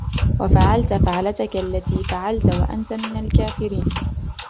وَفَعَلْتَ فَعْلَتَكَ الَّتِي فَعَلْتَ وَأَنْتَ مِنَ الْكَافِرِينَ